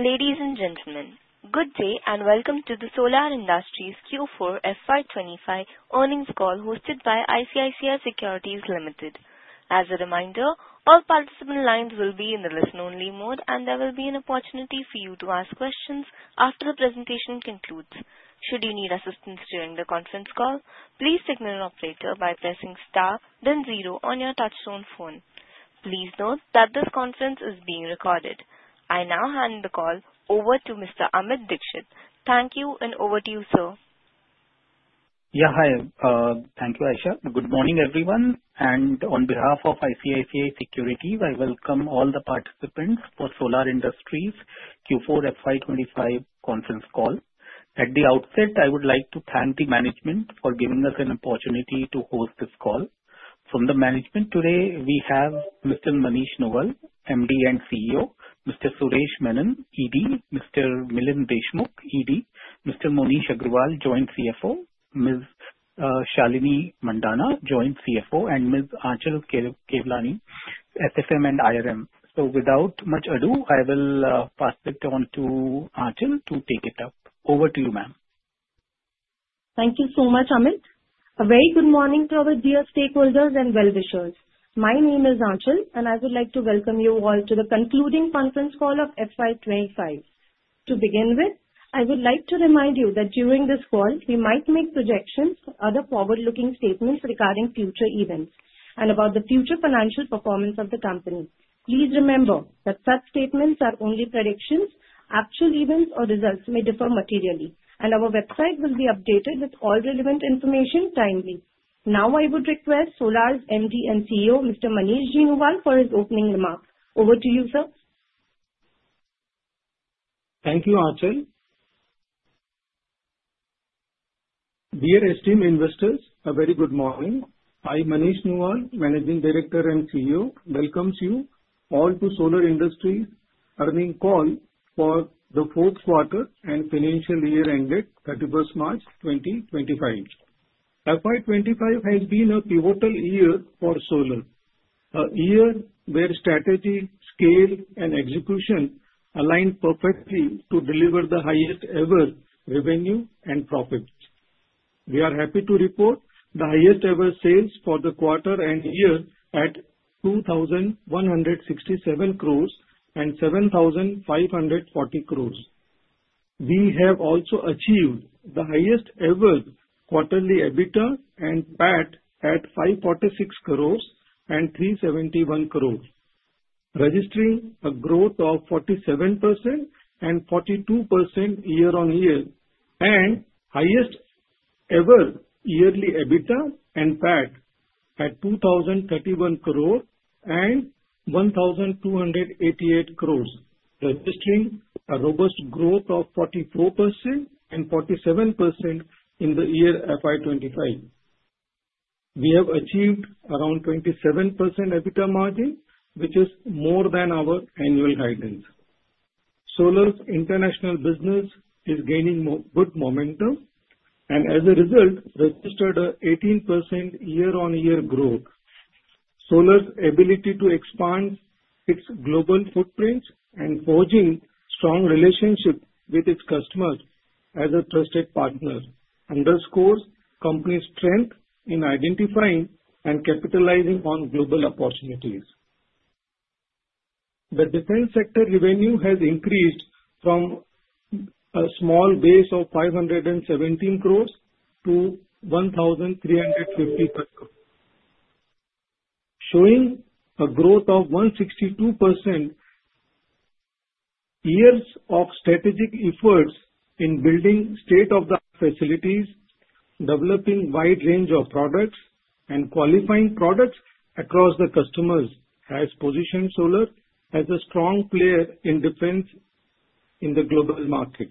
Ladies and gentlemen, good day and welcome to the Solar Industries Q4 FY25 earnings call hosted by ICICI Securities Limited. As a reminder, all participant lines will be in the listen-only mode, and there will be an opportunity for you to ask questions after the presentation concludes. Should you need assistance during the conference call, please signal an operator by pressing star, then zero on your touch-tone phone. Please note that this conference is being recorded. I now hand the call over to Mr. Amit Dixit. Thank you, and over to you, sir. Yeah, hi. Thank you, Aisha. Good morning, everyone. And on behalf of ICICI Securities, I welcome all the participants for Solar Industries Q4 FY25 conference call. At the outset, I would like to thank the management for giving us an opportunity to host this call. From the management today, we have Mr. Manish Nuwal, MD and CEO, Mr. Suresh Menon, ED, Mr. Milind Deshmukh, ED, Mr. Moneesh Agrawal, Joint CFO, Ms. Shalinee Mandhana, Joint CFO, and Ms. Aanchal Kewlani, SGM and IRM. So without much ado, I will pass it on to Aanchal to take it up. Over to you, ma'am. Thank you so much, Amit. A very good morning to our dear stakeholders and well-wishers. My name is Aanchal, and I would like to welcome you all to the concluding conference call of FY25. To begin with, I would like to remind you that during this call, we might make projections or other forward-looking statements regarding future events and about the future financial performance of the company. Please remember that such statements are only predictions. Actual events or results may differ materially, and our website will be updated with all relevant information timely. Now, I would request Solar's MD and CEO, Mr. Manish Nuwal, for his opening remark. Over to you, sir. Thank you, Aanchal. Dear esteemed investors, a very good morning. I, Manish Nuwal, Managing Director and CEO, welcome you all to Solar Industries' earnings call for the fourth quarter and financial year ended 31st March 2025. FY25 has been a pivotal year for Solar, a year where strategy, scale, and execution aligned perfectly to deliver the highest-ever revenue and profits. We are happy to report the highest-ever sales for the quarter and year at 2,167 crores and 7,540 crores. We have also achieved the highest-ever quarterly EBITDA and PAT at 546 crores and 371 crores, registering a growth of 47% and 42% year-on-year, and highest-ever yearly EBITDA and PAT at 2,031 crores and 1,288 crores, registering a robust growth of 44% and 47% in the year FY25. We have achieved around 27% EBITDA margin, which is more than our annual guidance. Solar's international business is gaining good momentum, and as a result, registered an 18% year-on-year growth. Solar's ability to expand its global footprint and forging strong relationships with its customers as a trusted partner underscores the company's strength in identifying and capitalizing on global opportunities. The defense sector revenue has increased from a small base of 517 crores to 1,355 crores, showing a growth of 162%. Years of strategic efforts in building state-of-the-art facilities, developing a wide range of products, and qualifying products across the customers have positioned Solar as a strong player in defense in the global market.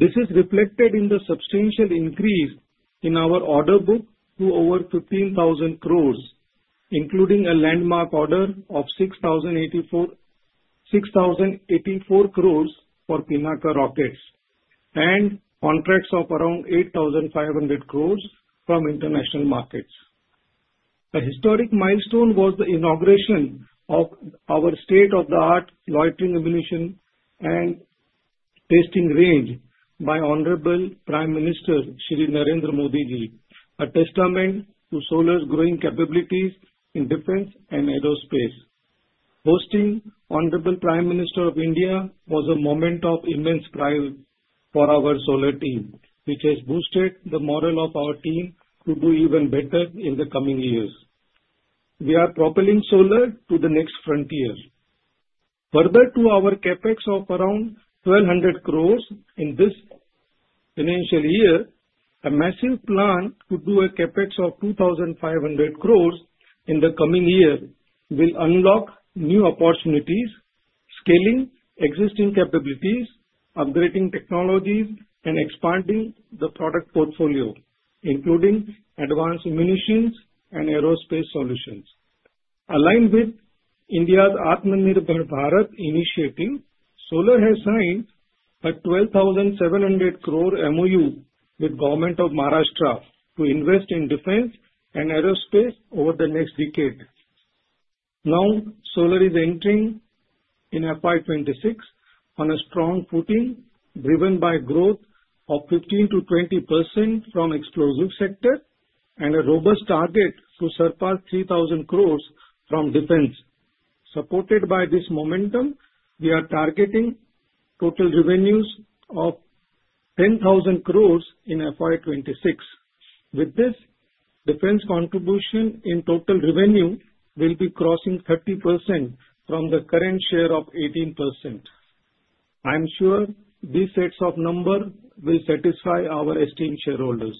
This is reflected in the substantial increase in our order book to over 15,000 crores, including a landmark order of 6,084 crores for Pinaka rockets and contracts of around 8,500 crores from international markets. A historic milestone was the inauguration of our state-of-the-art loitering munitions and testing range by Honorable Prime Minister Shri Narendra Modi Ji, a testament to Solar's growing capabilities in defense and aerospace. Hosting Honorable Prime Minister of India was a moment of immense pride for our Solar team, which has boosted the morale of our team to do even better in the coming years. We are propelling Solar to the next frontier. Further, to our CapEx of around 1,200 crores in this financial year, a massive plan to do a CapEx of 2,500 crores in the coming year will unlock new opportunities, scaling existing capabilities, upgrading technologies, and expanding the product portfolio, including advanced munitions and aerospace solutions. Aligned with India's Atmanirbhar Bharat initiative, Solar has signed a 12,700 crore MOU with the Government of Maharashtra to invest in defense and aerospace over the next decade. Now, Solar is entering in FY26 on a strong footing, driven by a growth of 15%-20% from the explosive sector and a robust target to surpass 3,000 crores from defense. Supported by this momentum, we are targeting total revenues of 10,000 crores in FY26. With this, defense contribution in total revenue will be crossing 30% from the current share of 18%. I am sure these sets of numbers will satisfy our esteemed shareholders.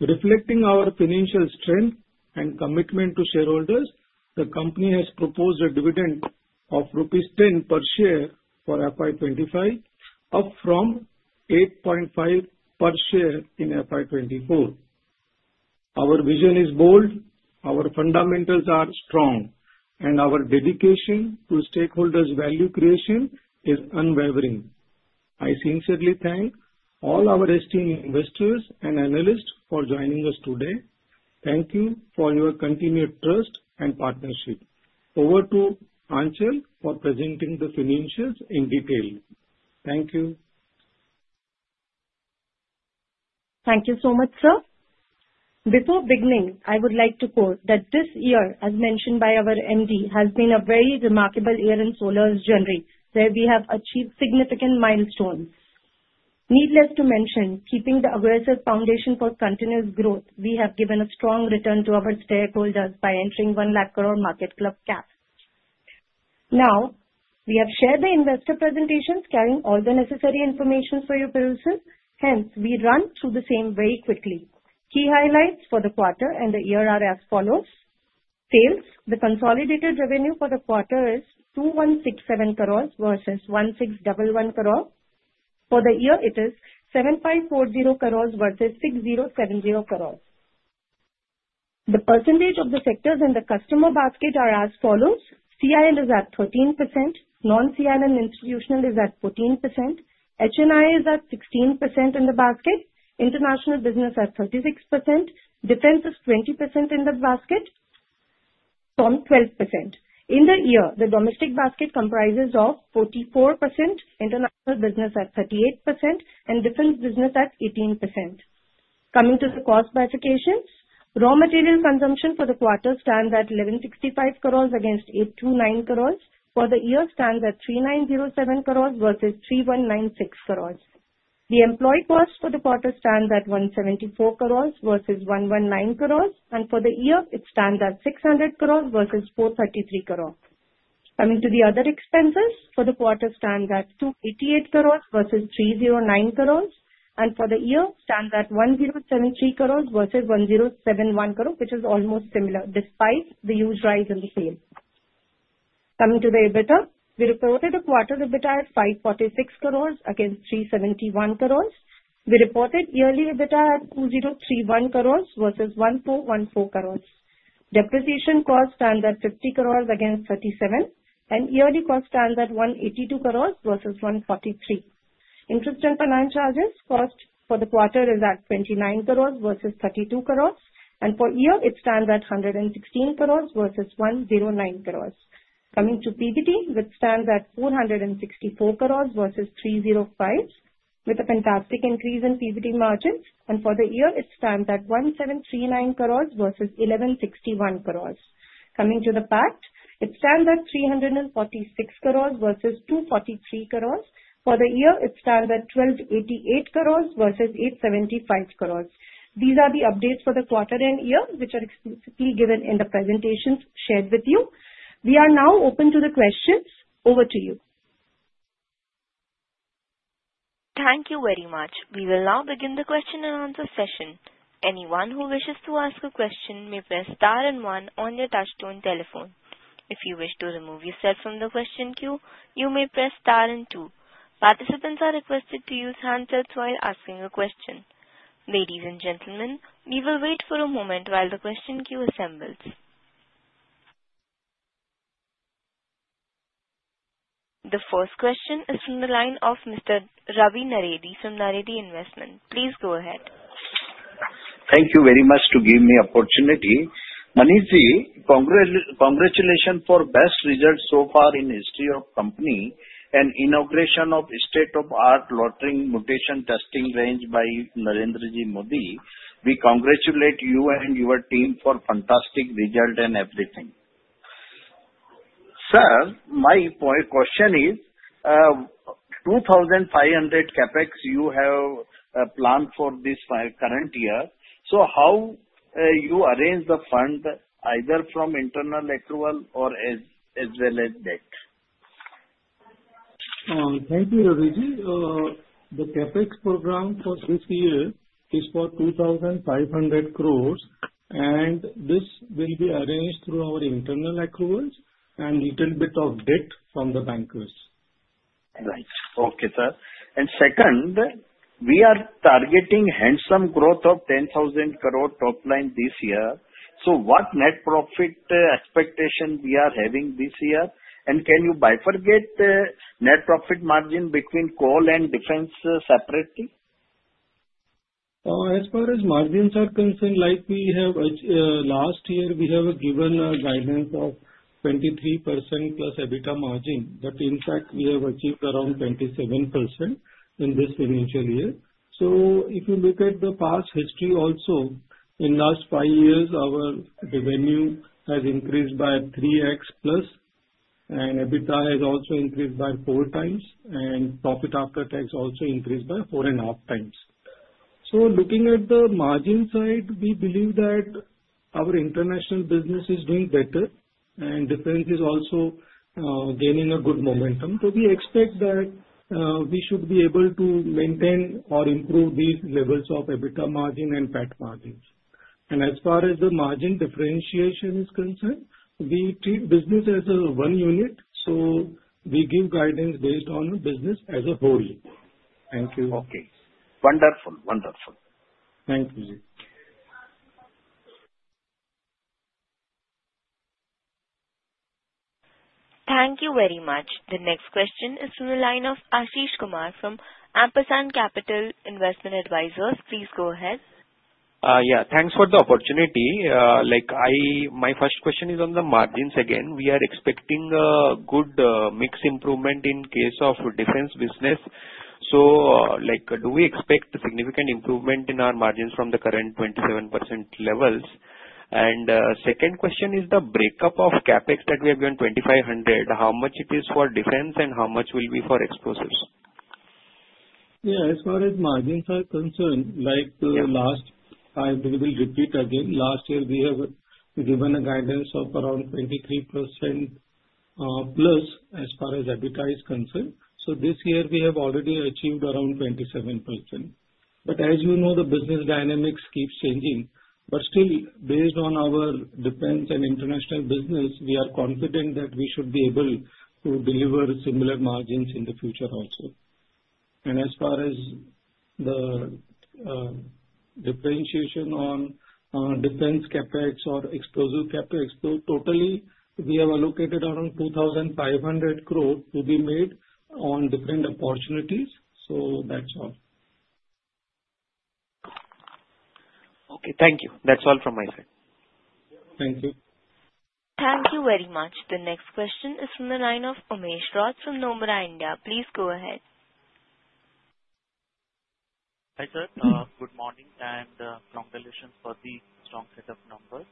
Reflecting our financial strength and commitment to shareholders, the company has proposed a dividend of rupees 10 per share for FY25, up from 8.5 per share in FY24. Our vision is bold, our fundamentals are strong, and our dedication to stakeholders' value creation is unwavering. I sincerely thank all our esteemed investors and analysts for joining us today. Thank you for your continued trust and partnership. Over to Aanchal for presenting the financials in detail. Thank you. Thank you so much, sir. Before beginning, I would like to quote that this year, as mentioned by our MD, has been a very remarkable year in Solar's journey, where we have achieved significant milestones. Needless to mention, keeping the aggressive foundation for continuous growth, we have given a strong return to our stakeholders by entering the 1 lakh crore market cap. Now, we have shared the investor presentations, carrying all the necessary information for your purposes. Hence, we run through the same very quickly. Key highlights for the quarter and the year are as follows: Sales, the consolidated revenue for the quarter is 2,167 crores vs 1,611 crores. For the year, it is 7,540 crores vs 6,070 crores. The percentage of the sectors in the customer basket are as follows: CIL is at 13%, non-CIL and institutional is at 14%, H&I is at 16% in the basket, international business at 36%, defense is 20% in the basket, SOM 12%. In the year, the domestic basket comprises of 44%, international business at 38%, and defense business at 18%. Coming to the cost verifications, raw material consumption for the quarter stands at 1,165 crores against 829 crores. For the year, it stands at 3,907 crores vs 3,196 crores. The employee cost for the quarter stands at 174 crores vs 119 crores, and for the year, it stands at 600 crores vs 433 crores. Coming to the other expenses, for the quarter stands at 288 crores vs 309 crores, and for the year, it stands at 1,073 crores vs 1,071 crores, which is almost similar despite the huge rise in sales. Coming to the EBITDA, we reported a quarter EBITDA at 546 crores against 371 crores. We reported yearly EBITDA at 2031 crores vs 1414 crores. Depreciation cost stands at 50 crores against 37, and yearly cost stands at 182 crores vs 143. Interest and finance charges cost for the quarter is at 29 crores vs 32 crores, and for year, it stands at 116 crores vs 109 crores. Coming to PBT, which stands at 464 crores vs 305, with a fantastic increase in PBT margins, and for the year, it stands at 1,739 crores vs 1,161 crores. Coming to the PAT, it stands at 346 crores vs 243 crores. For the year, it stands at 1,288 crores vs 875 crores. These are the updates for the quarter and year, which are explicitly given in the presentations shared with you. We are now open to the questions. Over to you. Thank you very much. We will now begin the question-and-answer session. Anyone who wishes to ask a question may press star and one on your touch-tone telephone. If you wish to remove yourself from the question queue, you may press star and two. Participants are requested to use handsets while asking a question. Ladies and gentlemen, we will wait for a moment while the question queue assembles. The first question is from the line of Mr. Ravi Naredi from Naredi Investments. Please go ahead. Thank you very much for giving me the opportunity. Manish Ji, congratulations for the best result so far in the history of the company and the inauguration of the state-of-the-art loitering munitions testing range by Narendra Modi. We congratulate you and your team for the fantastic result and everything. Sir, my question is, 2,500 CapEx you have planned for this current year, so how do you arrange the funds, either from internal accruals or as well as debt? Thank you, Ravi. The CapEx program for this year is for 2,500 crores, and this will be arranged through our internal accruals and a little bit of debt from the bankers. Right. Okay, sir. And second, we are targeting handsome growth of 10,000 crores top line this year. So what net profit expectation do we have this year? And can you bifurcate the net profit margin between coal and defense separately? As far as margins are concerned, like we have last year, we have given a guidance of 23%+ EBITDA margin. But in fact, we have achieved around 27% in this financial year. So if you look at the past history also, in the last five years, our revenue has increased by 3x+, and EBITDA has also increased by 4x, and profit after tax also increased by 4.5x. So looking at the margin side, we believe that our international business is doing better, and defense is also gaining a good momentum. So we expect that we should be able to maintain or improve these levels of EBITDA margin and PAT margins. And as far as the margin differentiation is concerned, we treat business as a one unit, so we give guidance based on business as a whole. Thank you. Okay. Wonderful, wonderful. Thank you, Ji. Thank you very much. The next question is from the line of Ashish Kumar from Ampersand Capital Investment Advisors. Please go ahead. Yeah. Thanks for the opportunity. My first question is on the margins again. We are expecting a good mix improvement in the case of defense business. So do we expect significant improvement in our margins from the current 27% levels? And the second question is the breakup of CapEx that we have given 2,500. How much is it for defense and how much will be for explosives? Yeah. As far as margins are concerned, like last, I will repeat again, last year, we have given a guidance of around 23%+ as far as EBITDA is concerned. So this year, we have already achieved around 27%. But as you know, the business dynamics keep changing. But still, based on our defense and international business, we are confident that we should be able to deliver similar margins in the future also. And as far as the differentiation on defense CapEx or explosive CapEx, so totally, we have allocated around 2,500 crores to be made on different opportunities. So that's all. Okay. Thank you. That's all from my side. Thank you. Thank you very much. The next question is from the line of Umesh Rath from Nomura India. Please go ahead. Hi, sir. Good morning and congratulations for the strong set of numbers,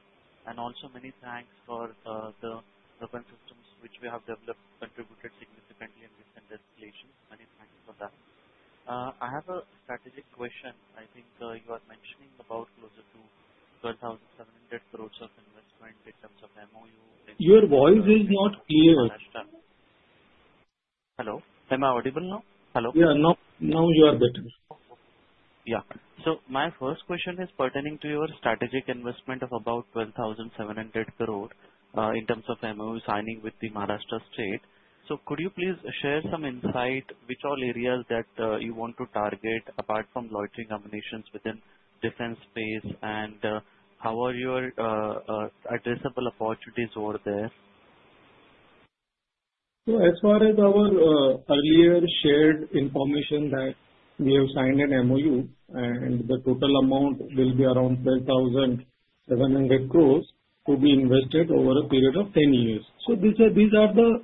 and also, many thanks for the systems which we have developed contributed significantly in recent escalations. Many thanks for that. I have a strategic question. I think you are mentioning about closer to INR 12,700 crores of investment in terms of MOU. Your voice is not clear. Hello. Am I audible now? Hello? Yeah. Now you are better. Yeah. So my first question is pertaining to your strategic investment of about 12,700 crores in terms of MOU signing with the Maharashtra state. So could you please share some insight which all areas that you want to target apart from loitering munitions within defense space, and how are your addressable opportunities over there? So as far as our earlier shared information that we have signed an MOU, and the total amount will be around 12,700 crores to be invested over a period of 10 years. So these are the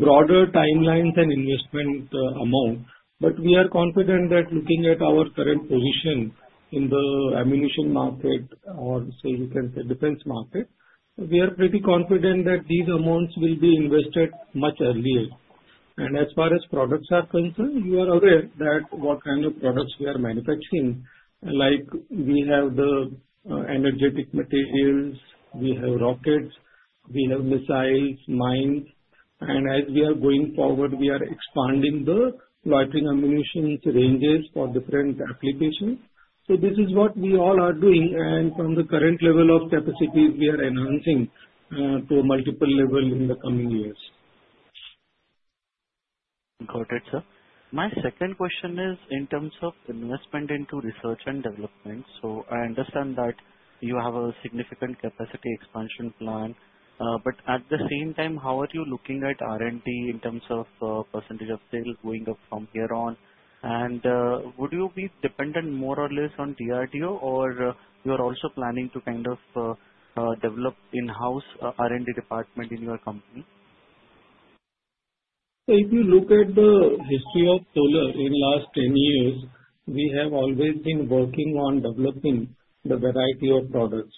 broader timelines and investment amount. But we are confident that looking at our current position in the ammunition market, or say you can say defense market, we are pretty confident that these amounts will be invested much earlier. And as far as products are concerned, you are aware that what kind of products we are manufacturing. Like we have the energetic materials, we have rockets, we have missiles, mines, and as we are going forward, we are expanding the loitering munitions ranges for different applications. So this is what we all are doing, and from the current level of capacity, we are enhancing to a multiple level in the coming years. Got it, sir. My second question is in terms of investment into research and development. So I understand that you have a significant capacity expansion plan. But at the same time, how are you looking at R&D in terms of percentage of sales going up from here on? And would you be dependent more or less on DRDO, or you are also planning to kind of develop an in-house R&D department in your company? If you look at the history of Solar in the last 10 years, we have always been working on developing the variety of products.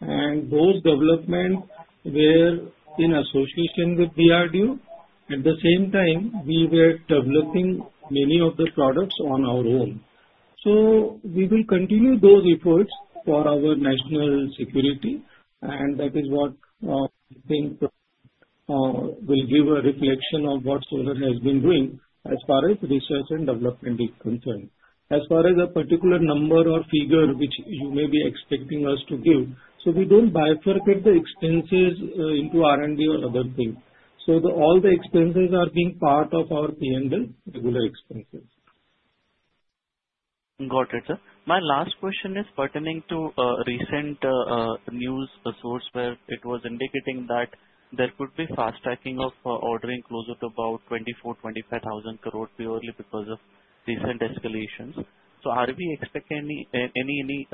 And those developments were in association with DRDO. At the same time, we were developing many of the products on our own. We will continue those efforts for our national security, and that is what I think will give a reflection of what Solar has been doing as far as research and development is concerned. As far as a particular number or figure which you may be expecting us to give, we don't bifurcate the expenses into R&D or other things. All the expenses are being part of our P&L, regular expenses. Got it, sir. My last question is pertaining to recent news source where it was indicating that there could be fast tracking of ordering closer to about 24,000 crore-25,000 crore purely because of recent escalations. So are we expecting any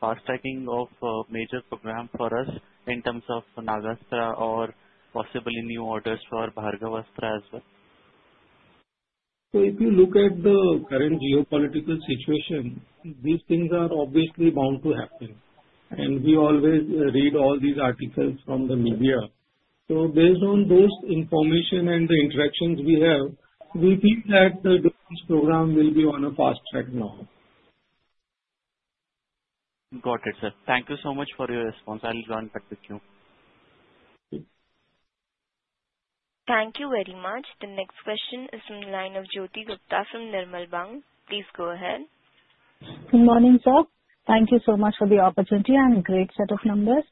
fast tracking of major programs for us in terms of Nagastra or possibly new orders for Bhargavastra as well? So if you look at the current geopolitical situation, these things are obviously bound to happen. And we always read all these articles from the media. So based on those information and the interactions we have, we think that the defense program will be on a fast track now. Got it, sir. Thank you so much for your response. I'll run back with you. Thank you very much. The next question is from the line of Jyoti Gupta from Nirmal Bang. Please go ahead. Good morning, sir. Thank you so much for the opportunity and great set of numbers.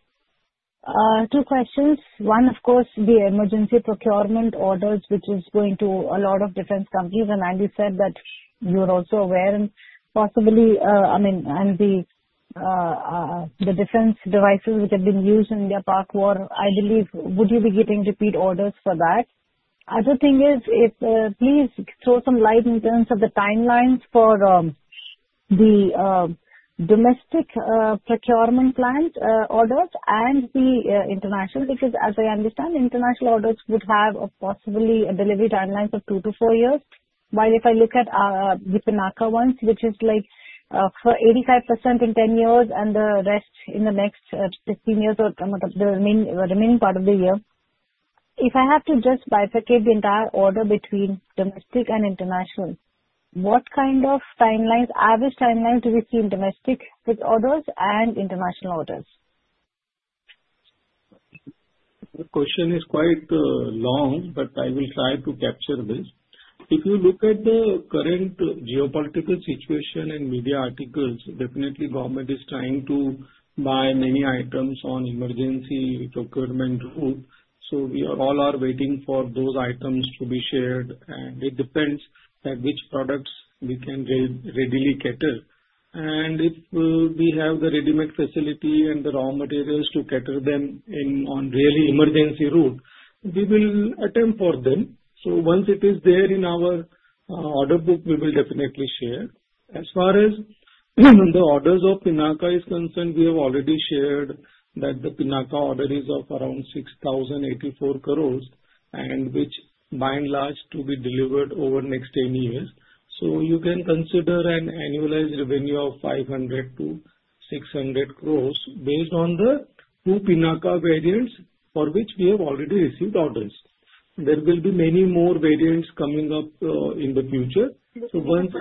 Two questions. One, of course, the emergency procurement orders which is going to a lot of defense companies, and as you said that you are also aware and possibly, I mean, and the defense devices which have been used in the Pak War, I believe, would you be getting repeat orders for that? The other thing is, please throw some light in terms of the timelines for the domestic procurement plan orders and the international, because as I understand, international orders would have possibly a delivery timeline of two-four years. While if I look at the Pinaka ones, which is like for 85% in 10 years and the rest in the next 15 years or the remaining part of the year, if I have to just bifurcate the entire order between domestic and international, what kind of timelines, average timelines do we see in domestic orders and international orders? The question is quite long, but I will try to capture this. If you look at the current geopolitical situation and media articles, definitely government is trying to buy many items on emergency procurement route. So we all are waiting for those items to be shared, and it depends at which products we can readily cater to. And if we have the ready-made facility and the raw materials to cater to them on really emergency route, we will attempt for them. So once it is there in our order book, we will definitely share. As far as the orders of Pinaka is concerned, we have already shared that the Pinaka order is of around 6,084 crores, and which by and large to be delivered over the next 10 years. You can consider an annualized revenue of 500-600 crores based on the two Pinaka variants for which we have already received orders. There will be many more variants coming up in the future. Once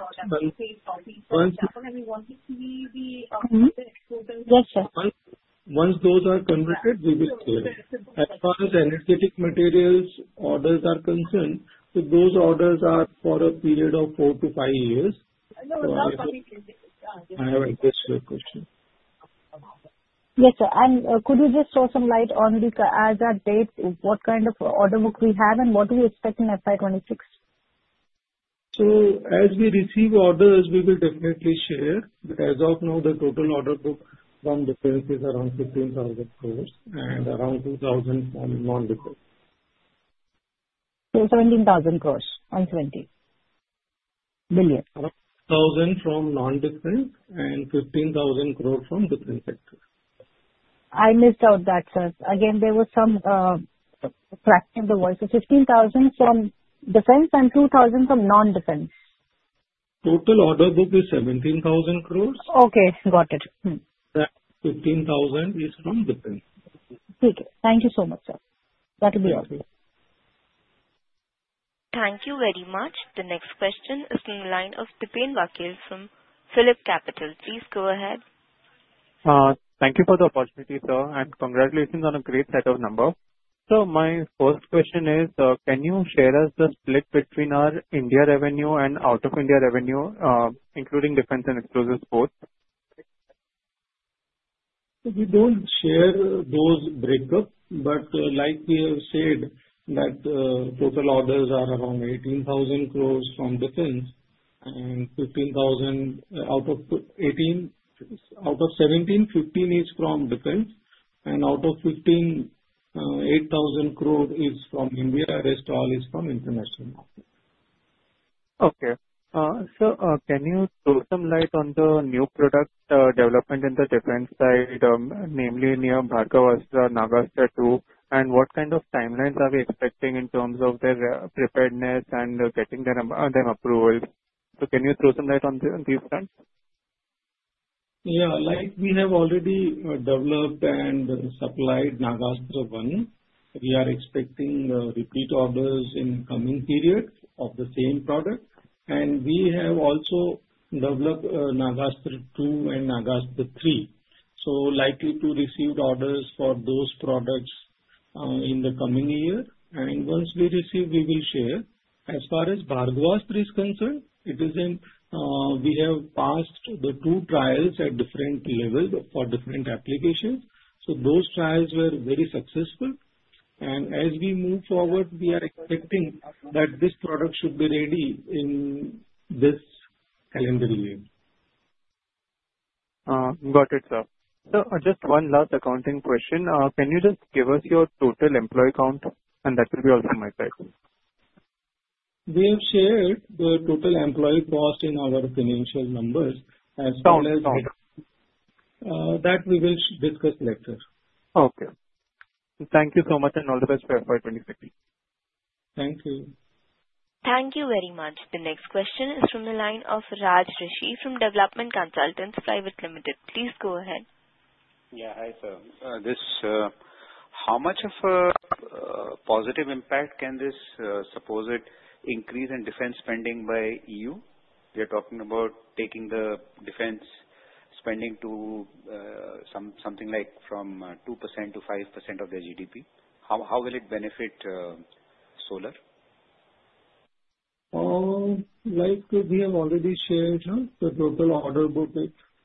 those are converted, we will share. As far as energetic materials orders are concerned, those orders are for a period of four-to-five years. I have addressed your question. Yes, sir, and could you just throw some light on the as-at date, what kind of order book we have and what do we expect in FY26? So as we receive orders, we will definitely share. But as of now, the total order book from defense is around 15,000 crores and around 2,000 from non-defense. 17,000 crores on 20 billion. Around INR 1,000 from non-defense and 15,000 crores from defense sector. I missed out that, sir. Again, there was some crack in the voice. So 15,000 from defense and 2,000 from non-defense. Total order book is 17,000 crores. Okay. Got it. 15,000 is from defense. Okay. Thank you so much, sir. That will be all. Thank you very much. The next question is from the line of Dipen Vakil from PhillipCapital. Please go ahead. Thank you for the opportunity, sir, and congratulations on a great set of numbers. So my first question is, can you share us the split between our India revenue and out-of-India revenue, including defense and explosives both? We don't share those breakups, but like we have said, that total orders are around 18,000 crores from defense and 15,000 out of 17, 15 is from defense, and out of 15, 8,000 crores is from India. The rest all is from international market. Okay. So can you throw some light on the new product development in the defense side, namely Nagastra, Bhargavastra, Nagastra 2, and what kind of timelines are we expecting in terms of their preparedness and getting the approvals? So can you throw some light on these fronts? Yeah. Like we have already developed and supplied Nagastra 1. We are expecting repeat orders in the coming period of the same product. And we have also developed Nagastra 2 and Nagastra 3. So likely to receive orders for those products in the coming year. And once we receive, we will share. As far as Bhargavastra is concerned, it is in we have passed the two trials at different levels for different applications. So those trials were very successful. And as we move forward, we are expecting that this product should be ready in this calendar year. Got it, sir. So just one last accounting question. Can you just give us your total employee count? And that will be also my question. We have shared the total employee cost in our financial numbers as well as that we will discuss later. Okay. Thank you so much and all the best for FY26. Thank you. Thank you very much. The next question is from the line of Raj Rishi from Development Consultants Private Limited. Please go ahead. Yeah. Hi, sir. How much of a positive impact can this supposed increase in defense spending by EU? We are talking about taking the defense spending to something like from 2%-5% of their GDP. How will it benefit Solar? Like we have already shared, the total order book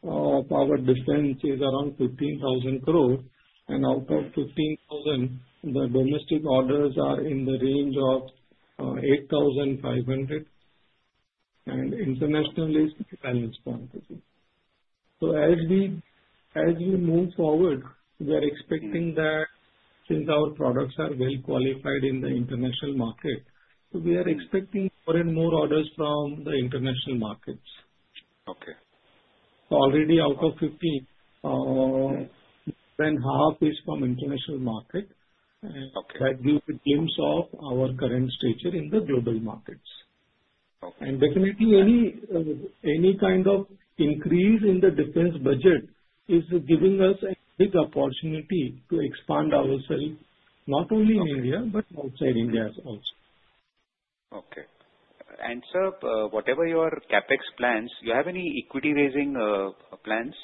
of our defense is around 15,000 crores. And out of 15,000, the domestic orders are in the range of 8,500. And internationally, balance point of view. So as we move forward, we are expecting that since our products are well qualified in the international market, we are expecting more and more orders from the international markets. So already out of 15, more than half is from international market. And that gives a glimpse of our current stature in the global markets. And definitely, any kind of increase in the defense budget is giving us a big opportunity to expand ourselves, not only in India but outside India also. Okay. And sir, whatever your CapEx plans, do you have any equity-raising plans?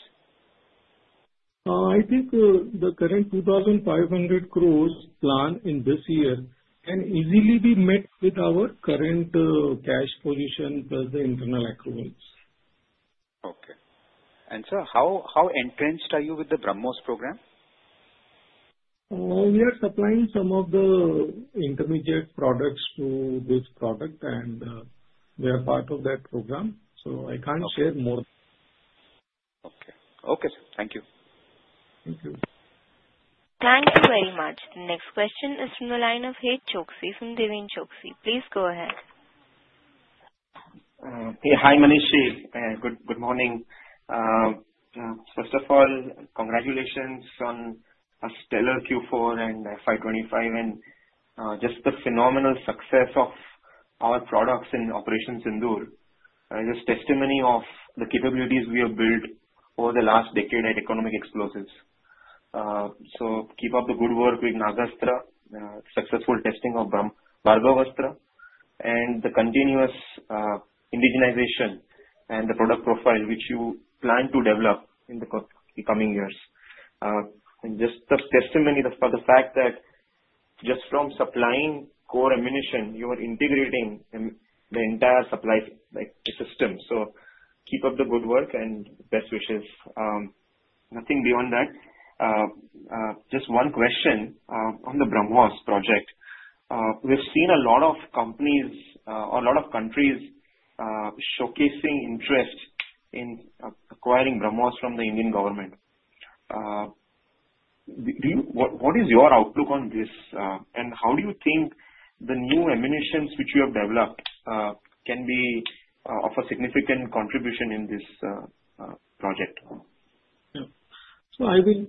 I think the current 2,500 crores plan in this year can easily be met with our current cash position plus the internal accruals. Okay. Sir, how entrenched are you with the BrahMos program? We are supplying some of the intermediate products to this product, and we are part of that program. So I can't share more. Okay. Okay, sir. Thank you. Thank you. Thank you very much. The next question is from the line of Hiten Choksey from DRChoksey Finserv. Please go ahead. Hey, hi Manish. Good morning. First of all, congratulations on a stellar Q4 and FY25 and just the phenomenal success of our products in Operation Sindhu. It is testimony of the capabilities we have built over the last decade at Economic Explosives. So keep up the good work with Nagastra, successful testing of Bhargavastra, and the continuous indigenization and the product profile which you plan to develop in the coming years. Just the testimony for the fact that just from supplying core ammunition, you are integrating the entire supply system. So keep up the good work and best wishes. Nothing beyond that. Just one question on the BrahMos project. We've seen a lot of companies or a lot of countries showcasing interest in acquiring BrahMos from the Indian government. What is your outlook on this, and how do you think the new munitions which you have developed can be of a significant contribution in this project? So I will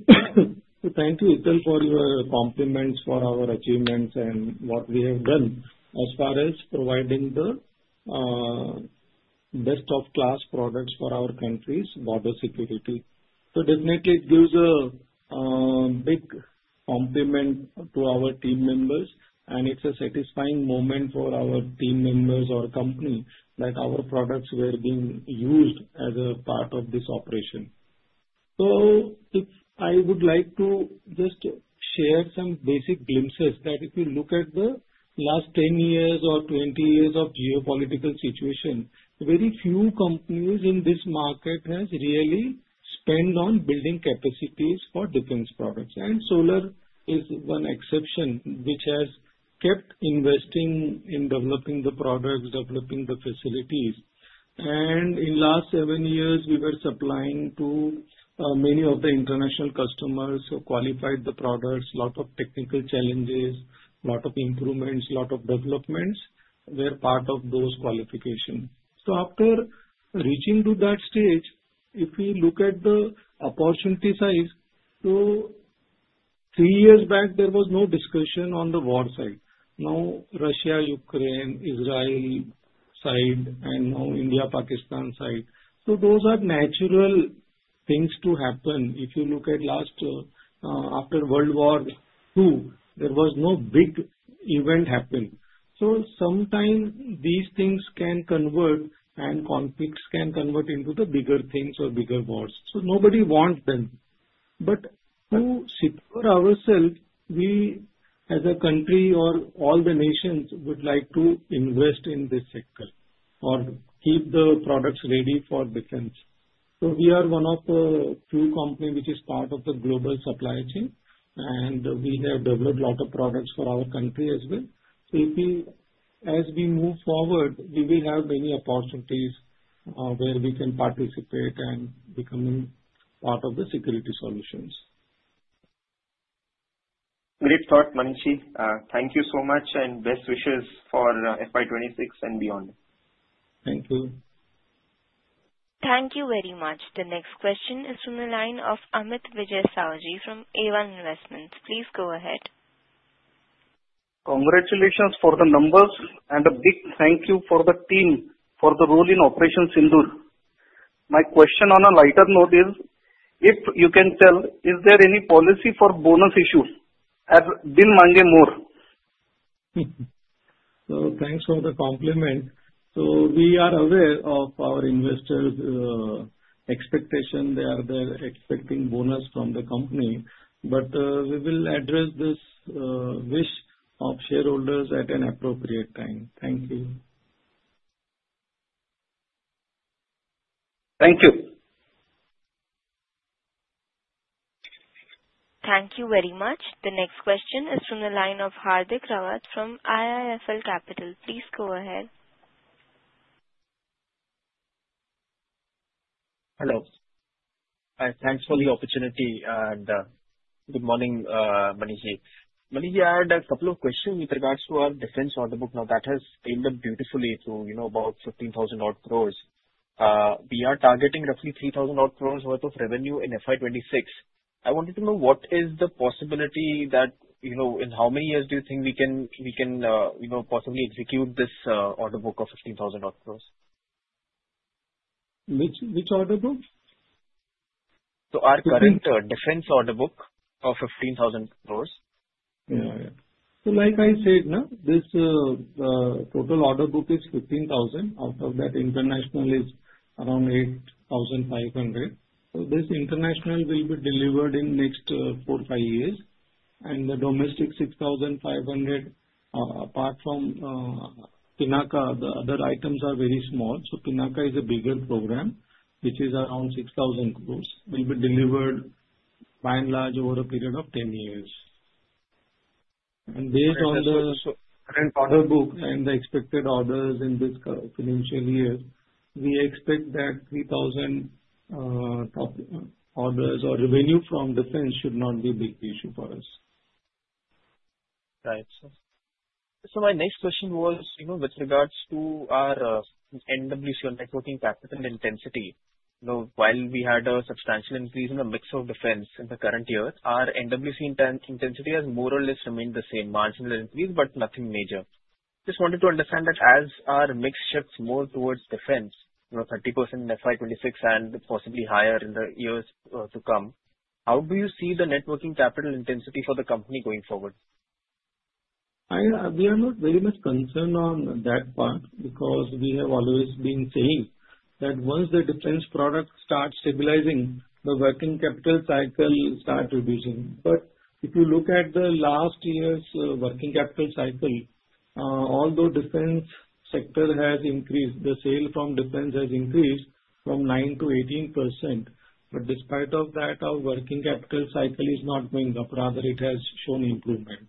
thank you, Hiten, for your compliments for our achievements and what we have done as far as providing the best-in-class products for our countries' border security. So definitely, it gives a big compliment to our team members, and it's a satisfying moment for our team members or company that our products were being used as a part of this operation. So I would like to just share some basic glimpses that if you look at the last 10 years or 20 years of geopolitical situation, very few companies in this market have really spent on building capacities for defense products, and Solar is one exception which has kept investing in developing the products, developing the facilities. In the last seven years, we were supplying to many of the international customers, qualified the products, a lot of technical challenges, a lot of improvements, a lot of developments were part of those qualifications. After reaching to that stage, if you look at the opportunity side, three years back, there was no discussion on the war side. Now, Russia, Ukraine, Israel side, and now India, Pakistan side. Those are natural things to happen. If you look at last after World War II, there was no big event happen. Sometimes these things can convert, and conflicts can convert into the bigger things or bigger wars. Nobody wants them. For ourselves, we as a country or all the nations would like to invest in this sector or keep the products ready for defense. So we are one of the few companies which is part of the global supply chain, and we have developed a lot of products for our country as well. So as we move forward, we will have many opportunities where we can participate and become part of the security solutions. Great thought, Manish. Thank you so much and best wishes for FY26 and beyond. Thank you. Thank you very much. The next question is from the line of Amit Vijay Saoji from Abans Investments. Please go ahead. Congratulations for the numbers, and a big thank you for the team for the role in Operation Sindhu. My question on a lighter note is, if you can tell, is there any policy for bonus issues? I've been managing more. Thanks for the compliment. We are aware of our investors' expectations. They are expecting bonus from the company, but we will address this wish of shareholders at an appropriate time. Thank you. Thank you. Thank you very much. The next question is from the line of Hardik Rawat from IIFL Securities. Please go ahead. Hello. Thanks for the opportunity, and good morning, Manish. Manish, I had a couple of questions with regards to our defense order book now that has scaled up beautifully to about 15,000 crores. We are targeting roughly 3,000 crores worth of revenue in FY26. I wanted to know what is the possibility that in how many years do you think we can possibly execute this order book of 15,000 crores? Which order book? So our current defense order book of 15,000 crores. Yeah. So like I said, this total order book is 15,000. Out of that, international is around 8,500. So this international will be delivered in the next four-five years. And the domestic 6,500, apart from Pinaka, the other items are very small. So Pinaka is a bigger program, which is around 6,000 crores, will be delivered by and large over a period of 10 years. And based on the current order book and the expected orders in this financial year, we expect that 3,000 orders or revenue from defense should not be a big issue for us. Right. So my next question was with regards to our NWC or net working capital intensity. While we had a substantial increase in the mix of defense in the current year, our NWC intensity has more or less remained the same, marginal increase, but nothing major. Just wanted to understand that as our mix shifts more towards defense, 30% in FY26 and possibly higher in the years to come, how do you see the net working capital intensity for the company going forward? We are not very much concerned on that part because we have always been saying that once the defense product starts stabilizing, the working capital cycle starts reducing. But if you look at the last year's working capital cycle, although defense sector has increased, the sale from defense has increased from 9%-18%. But despite that, our working capital cycle is not going up. Rather, it has shown improvement.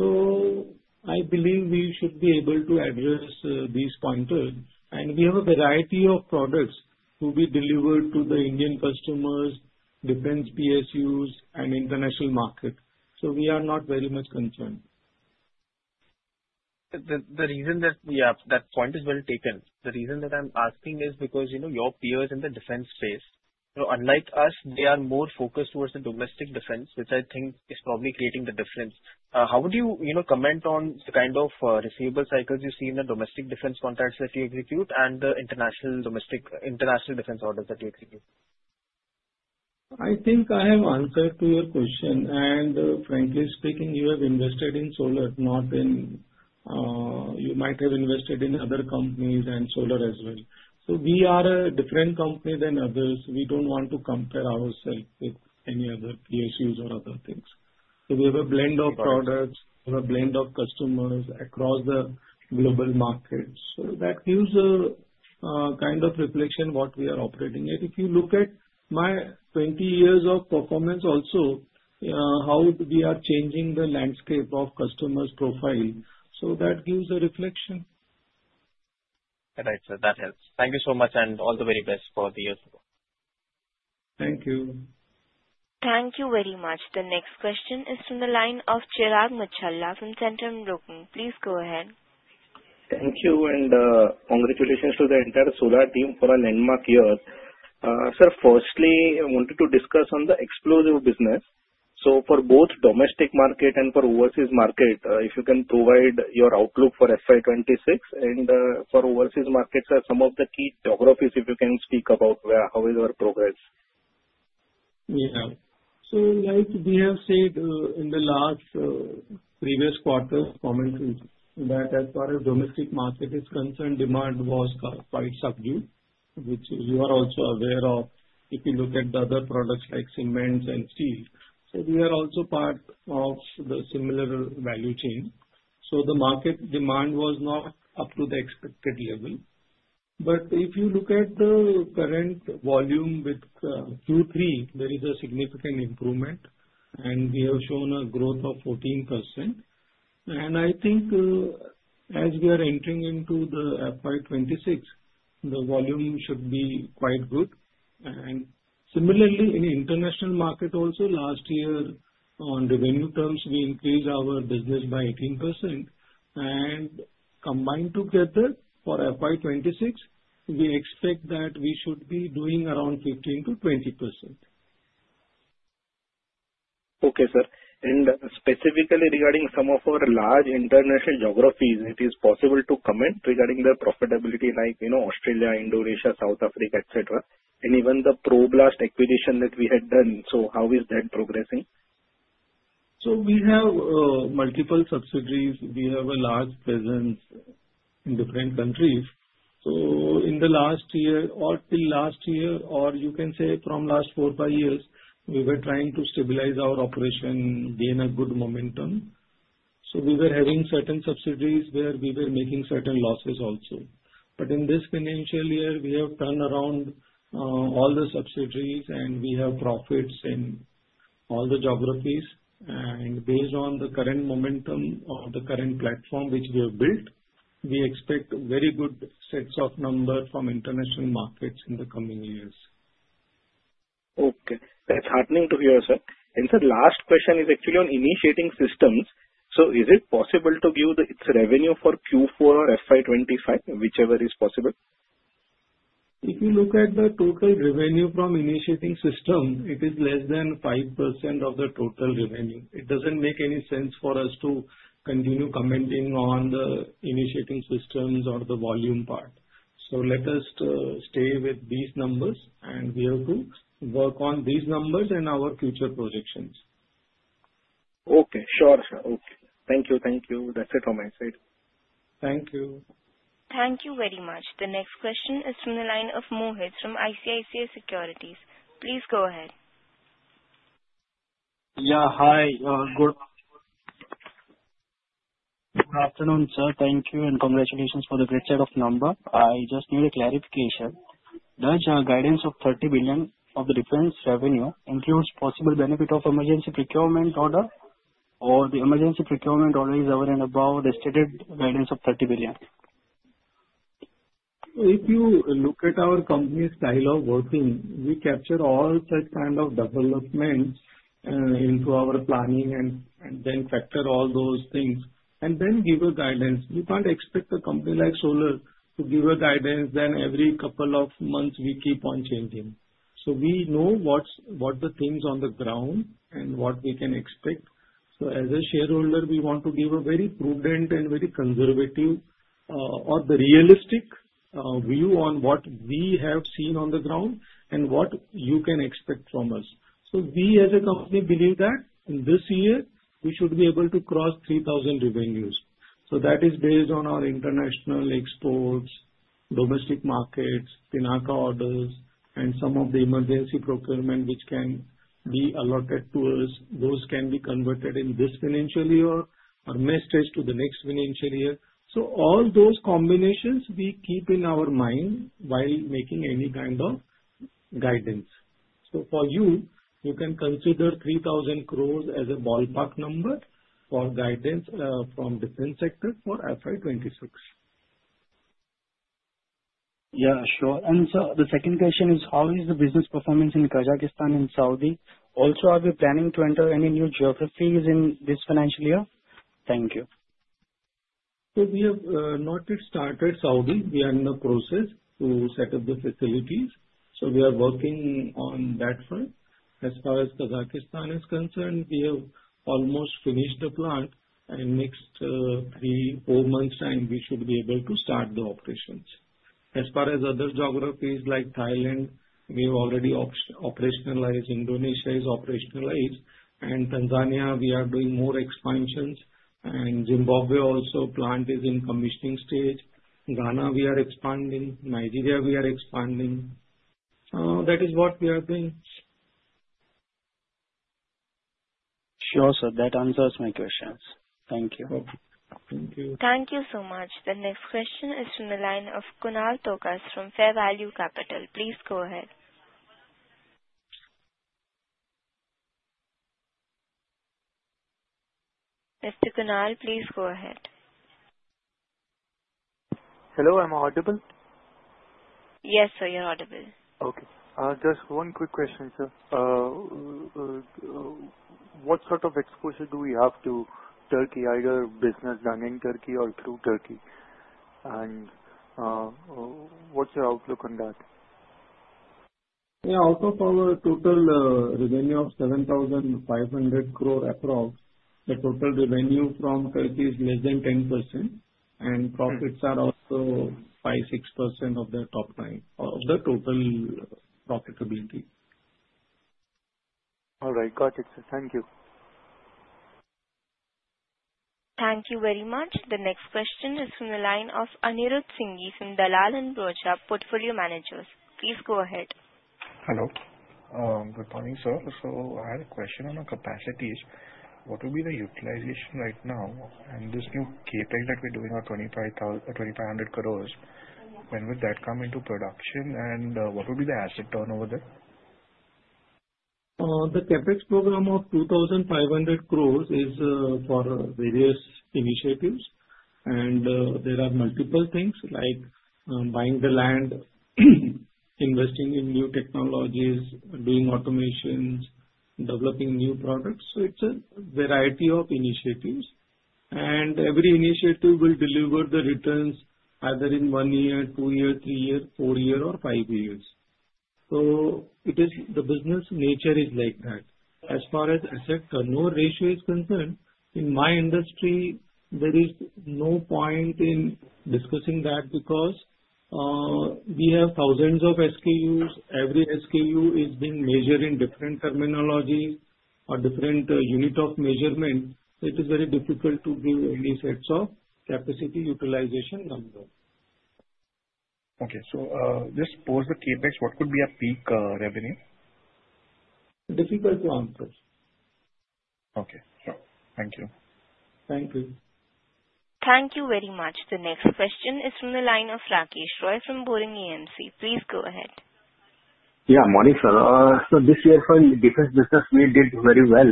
So I believe we should be able to address these pointers. And we have a variety of products to be delivered to the Indian customers, defense PSUs, and international market. So we are not very much concerned. The reason that point is well taken, the reason that I'm asking is because your peers in the defense space, unlike us, they are more focused towards the domestic defense, which I think is probably creating the difference. How would you comment on the kind of receivable cycles you see in the domestic defense contracts that you execute and the international defense orders that you execute? I think I have answered to your question. And frankly speaking, you have invested in Solar, not in you might have invested in other companies and Solar as well. So we are a different company than others. We don't want to compare ourselves with any other PSUs or other things. So we have a blend of products, a blend of customers across the global market. So that gives a kind of reflection on what we are operating at. If you look at my 20 years of performance also, how we are changing the landscape of customers' profile. So that gives a reflection. Right. So that helps. Thank you so much, and all the very best for the years. Thank you. Thank you very much. The next question is from the line of Chirag Muchhala from Centrum Broking. Please go ahead. Thank you, and congratulations to the entire Solar team for a landmark year. Sir, firstly, I wanted to discuss on the explosive business. So for both domestic market and for overseas market, if you can provide your outlook for FY26 and for overseas markets, some of the key geographies, if you can speak about how it will progress. Yeah. So like we have said in the last previous quarter commentary that as far as domestic market is concerned, demand was quite subdued, which you are also aware of if you look at the other products like cements and steel. So we are also part of the similar value chain. So the market demand was not up to the expected level. But if you look at the current volume with Q3, there is a significant improvement, and we have shown a growth of 14%. And I think as we are entering into the FY26, the volume should be quite good. And similarly, in international market also, last year on revenue terms, we increased our business by 18%. And combined together for FY26, we expect that we should be doing around 15%-20%. Okay, sir. And specifically regarding some of our large international geographies, it is possible to comment regarding the profitability like Australia, Indonesia, South Africa, etc. And even the ProBlast acquisition that we had done, so how is that progressing? So we have multiple subsidiaries. We have a large presence in different countries. So in the last year or till last year, or you can say from last four or five years, we were trying to stabilize our operation, gain a good momentum. So we were having certain subsidiaries where we were making certain losses also. But in this financial year, we have turned around all the subsidiaries, and we have profits in all the geographies. And based on the current momentum of the current platform which we have built, we expect very good sets of numbers from international markets in the coming years. Okay. That's heartening to hear, sir. And the last question is actually on initiating systems. So is it possible to view its revenue for Q4 or FY25, whichever is possible? If you look at the total revenue from initiating systems, it is less than 5% of the total revenue. It doesn't make any sense for us to continue commenting on the initiating systems or the volume part. So let us stay with these numbers, and we have to work on these numbers and our future projections. Okay. Sure, sir. Okay. Thank you. Thank you. That's it from my side. Thank you. Thank you very much. The next question is from the line of Mohit from ICICI Securities. Please go ahead. Yeah. Hi. Good afternoon, sir. Thank you, and congratulations for the great set of numbers. I just need a clarification. Does your guidance of 30 billion of the defense revenue include possible benefit of emergency procurement order, or the emergency procurement order is over and above the stated guidance of 30 billion? So if you look at our company's style of working, we capture all such kind of developments into our planning and then factor all those things and then give a guidance. We can't expect a company like Solar to give a guidance, then every couple of months we keep on changing. So we know what the things on the ground and what we can expect. So as a shareholder, we want to give a very prudent and very conservative or the realistic view on what we have seen on the ground and what you can expect from us. So we as a company believe that in this year, we should be able to cross 3,000 revenues. So that is based on our international exports, domestic markets, Pinaka orders, and some of the emergency procurement which can be allotted to us. Those can be converted in this financial year or maybe to the next financial year. So all those combinations we keep in our mind while making any kind of guidance. So for you, you can consider 3,000 crores as a ballpark number for guidance from defense sector for FY26. Yeah. Sure, and so the second question is, how is the business performance in Kazakhstan and Saudi? Also, are we planning to enter any new geographies in this financial year? Thank you. We have not yet started Saudi. We are in the process to set up the facilities. We are working on that front. As far as Kazakhstan is concerned, we have almost finished the plant. Next three, four months' time, we should be able to start the operations. As far as other geographies like Thailand, we have already operationalized. Indonesia is operationalized. Tanzania, we are doing more expansions. Zimbabwe, also, plant is in commissioning stage. Ghana, we are expanding. Nigeria, we are expanding. That is what we are doing. Sure, sir. That answers my questions. Thank you. Thank you. Thank you so much. The next question is from the line of Kunal Tokas from Fair Value Capital. Please go ahead. Mr. Kunal, please go ahead. Hello. Am I audible? Yes, sir. You're audible. Okay. Just one quick question, sir. What sort of exposure do we have to Turkey, either business done in Turkey or through Turkey? And what's your outlook on that? Yeah. Out of our total revenue of 7,500 crores across, the total revenue from Turkey is less than 10%. And profits are also 5-6% of the top line of the total profitability. All right. Got it, sir. Thank you. Thank you very much. The next question is from the line of Aniruddh Singh from Dalal & Broacha Portfolio Managers. Please go ahead. Hello. Good morning, sir, so I had a question on our capacities. What will be the utilization right now, and this new CapEx that we're doing of 2,500 crores, when would that come into production, and what will be the asset turnover there? The Capex program of 2,500 crores is for various initiatives. And there are multiple things like buying the land, investing in new technologies, doing automations, developing new products. So it's a variety of initiatives. And every initiative will deliver the returns either in one year, two years, three years, four years, or five years. So the business nature is like that. As far as asset turnover ratio is concerned, in my industry, there is no point in discussing that because we have thousands of SKUs. Every SKU is being measured in different terminologies or different units of measurement. It is very difficult to give any sets of capacity utilization numbers. Okay, so just post the CapEx, what could be a peak revenue? Difficult to answer. Okay. Sure. Thank you. Thank you. Thank you very much. The next question is from the line of Rakesh Roy from Boring AMC. Please go ahead. Yeah. Morning, sir. So this year, for defense business, we did very well.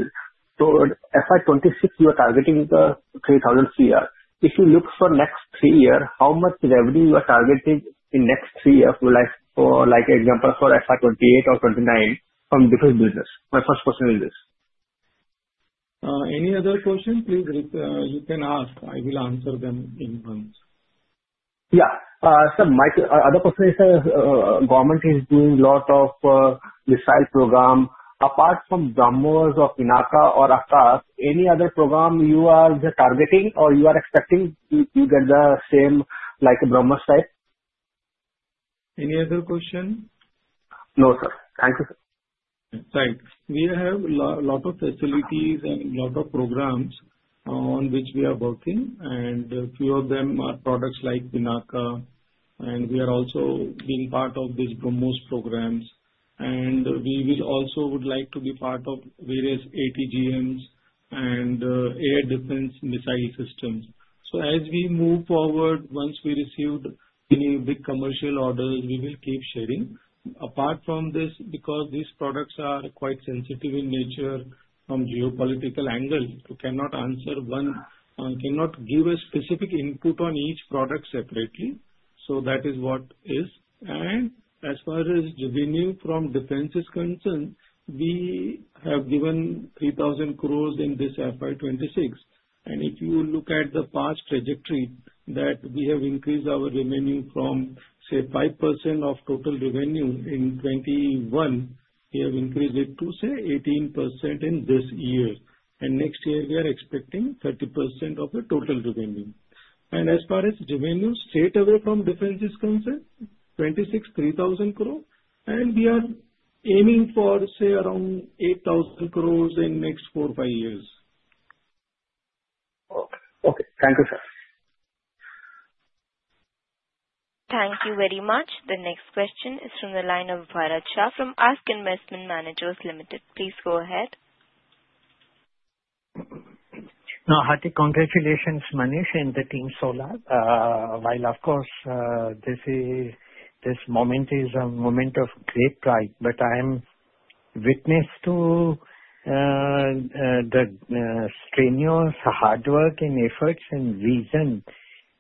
So FY26, you are targeting 3,000 crores. If you look for next three years, how much revenue you are targeting in next three years for example, for FY28 or FY29 from defense business? My first question is this. Any other question? Please, you can ask. I will answer them at once. Yeah. Sir, my other question is, government is doing a lot of missile program. Apart from BrahMos or Pinaka or Akash, any other program you are targeting or you are expecting to get the same like BrahMos type? Any other question? No, sir. Thank you, sir. Thanks. We have a lot of facilities and a lot of programs on which we are working. And a few of them are products like Pinaka. And we are also being part of these BrahMos programs. And we also would like to be part of various ATGMs and air defense missile systems. So as we move forward, once we receive any big commercial orders, we will keep sharing. Apart from this, because these products are quite sensitive in nature from geopolitical angle, we cannot answer. One cannot give a specific input on each product separately. So that is what it is. And as far as revenue from defense is concerned, we have given 3,000 crores in this FY26. And if you look at the past trajectory, that we have increased our revenue from, say, 5% of total revenue in 2021, we have increased it to, say, 18% in this year. Next year, we are expecting 30% of the total revenue. As far as revenue straight away from defense is concerned, 2026, 3,000 crores. We are aiming for, say, around 8,000 crores in next four, five years. Okay. Okay. Thank you, sir. Thank you very much. The next question is from the line of Bharat Shah from ASK Investment Managers Limited. Please go ahead. No, hearty congratulations, Manish and the team Solar. While, of course, this moment is a moment of great pride, but I am witness to the strenuous hard work and efforts and vision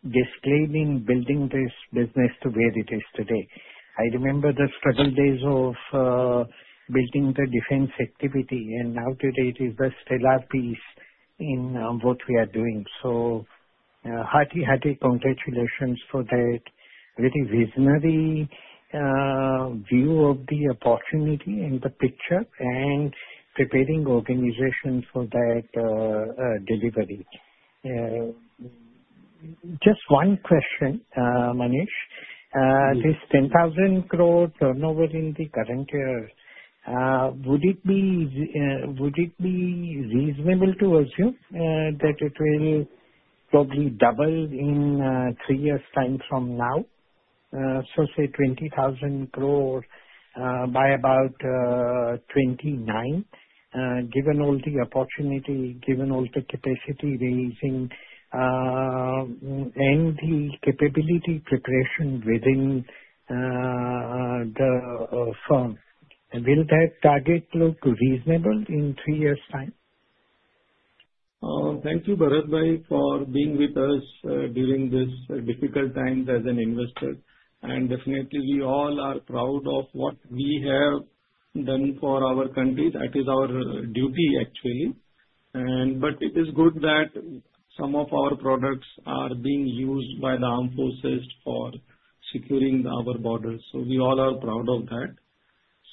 displayed in building this business to where it is today. I remember the struggle days of building the defense activity. And now today, it is the stellar piece in what we are doing. So hearty, hearty congratulations for that very visionary view of the opportunity and the picture and preparing organization for that delivery. Just one question, Manish. This 10,000 crores turnover in the current year, would it be reasonable to assume that it will probably double in three years' time from now? So, say, 20,000 crores by about 2029, given all the opportunity, given all the capacity raising and the capability preparation within the firm. Will that target look reasonable in three years' time? Thank you, Bharat Shah, for being with us during these difficult times as an investor. We all are proud of what we have done for our country. That is our duty, actually. But it is good that some of our products are being used by the armed forces for securing our borders. We all are proud of that.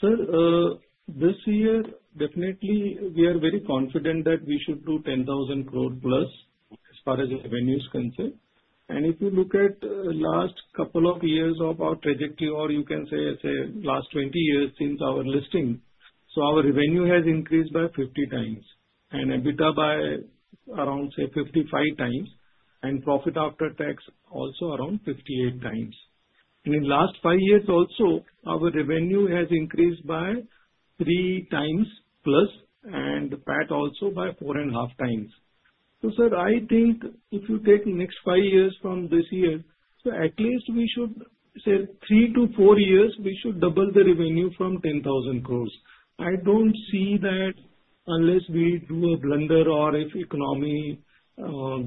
Sir, this year, definitely, we are very confident that we should do 10,000 crores plus as far as revenues concern. If you look at the last couple of years of our trajectory, or you can say last 20 years since our listing, our revenue has increased by 50x and EBITDA by around, say, 55x and profit after tax also around 58 times. In the last five years also, our revenue has increased by 3x+ and PAT also by four and a half times. Sir, I think if you take next five years from this year, so at least we should, say, three-four years, we should double the revenue from 10,000 crores. I don't see that unless we do a blunder or if economy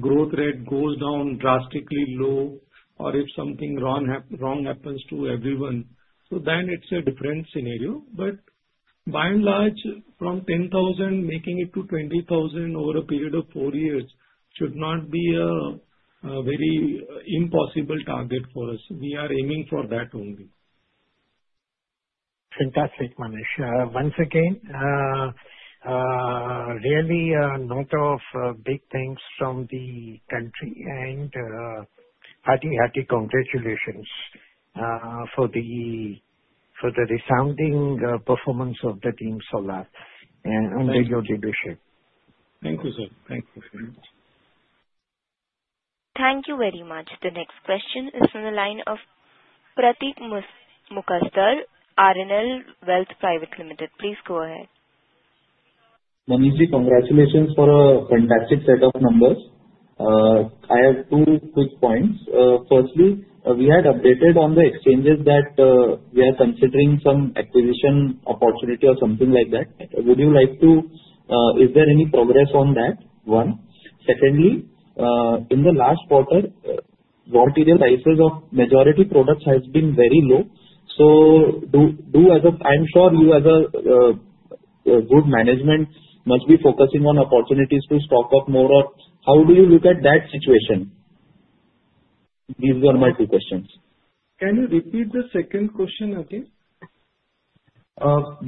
growth rate goes down drastically low or if something wrong happens to everyone. Then it's a different scenario. But by and large, from 10,000 crores making it to 20,000 crores over a period of four years should not be a very impossible target for us. We are aiming for that only. Fantastic, Manish. Once again, really a lot of big things from the country, and hearty, hearty congratulations for the resounding performance of the team Solar and your leadership. Thank you, sir. Thank you very much. Thank you very much. The next question is from the line of Pratik Mukasdar, Roha Asset Managers. Please go ahead. Manish ji, congratulations for a fantastic set of numbers. I have two quick points. Firstly, we had updated on the exchanges that we are considering some acquisition opportunity or something like that. Would you like to is there any progress on that? One. Secondly, in the last quarter, what material prices of majority products have been very low? So do as a I'm sure you, as a good management, must be focusing on opportunities to stock up more or how do you look at that situation? These are my two questions. Can you repeat the second question again?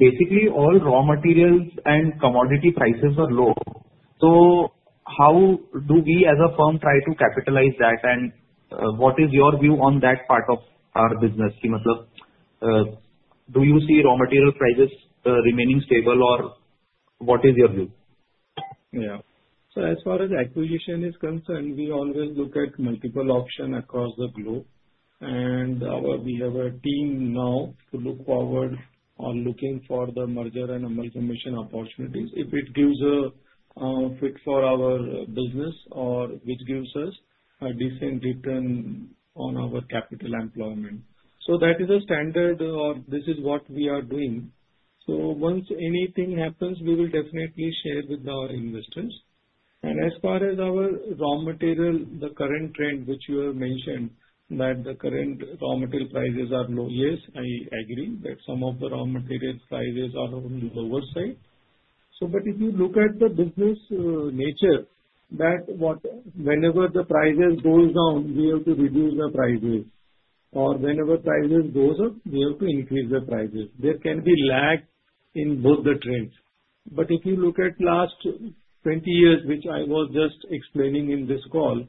Basically, all raw materials and commodity prices are low. So how do we, as a firm, try to capitalize that? And what is your view on that part of our business? Do you see raw material prices remaining stable or what is your view? Yeah. So as far as acquisition is concerned, we always look at multiple options across the globe. And we have a team now to look forward or looking for the merger and amalgamation opportunities if it gives a fit for our business or which gives us a decent return on our capital employment. So that is a standard or this is what we are doing. So once anything happens, we will definitely share with our investors. And as far as our raw material, the current trend which you have mentioned that the current raw material prices are low. Yes, I agree that some of the raw material prices are on the lower side. But if you look at the business nature that whenever the prices go down, we have to reduce the prices. Or whenever prices go up, we have to increase the prices. There can be lag in both the trends, but if you look at last 20 years, which I was just explaining in this call,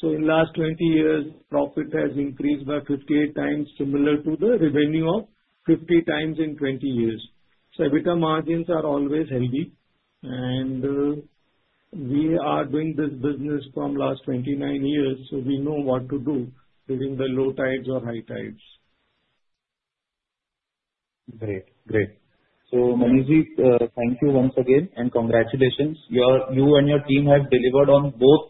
so in the last 20 years, profit has increased by 58x similar to the revenue of 50x in 20 years, so EBITDA margins are always healthy, and we are doing this business from the last 29 years, so we know what to do during the low tides or high tides. Great. Great. So, Manish ji, thank you once again and congratulations. You and your team have delivered on both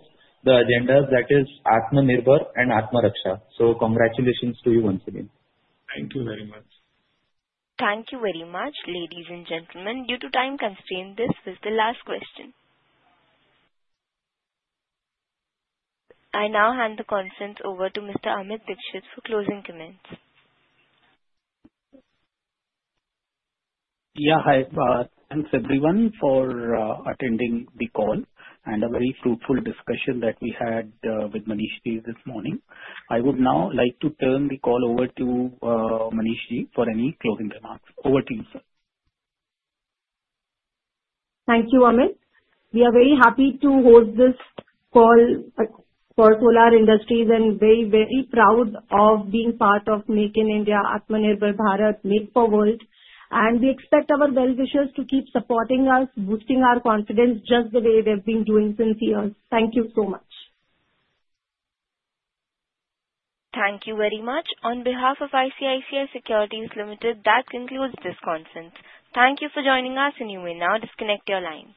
the agendas, that is, Atmanirbhar and Atma Raksha. So congratulations to you once again. Thank you very much. Thank you very much, ladies and gentlemen. Due to time constraint, this is the last question. I now hand the conference over to Mr. Amit Dixit for closing comments. Yeah. Hi. Thanks, everyone, for attending the call and a very fruitful discussion that we had with Manish ji this morning. I would now like to turn the call over to Manish ji for any closing remarks. Over to you, sir. Thank you, Amit. We are very happy to host this call for Solar Industries and very, very proud of being part of Make in India, Atmanirbhar Bharat, Make for World. We expect our well-wishers to keep supporting us, boosting our confidence just the way they've been doing since years. Thank you so much. Thank you very much. On behalf of ICICI Securities Limited, that concludes this conference. Thank you for joining us, and you may now disconnect your line.